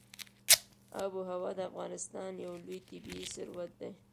آب وهوا د افغانستان یو لوی طبعي ثروت دی.